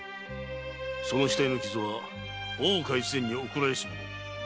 その額の傷は大岡越前に贈られしもの。